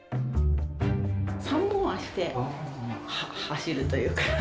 ３本脚で走るというか。